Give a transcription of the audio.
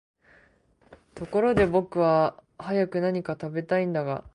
ところで僕は早く何か喰べたいんだが、